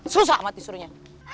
susah amat disuruhnya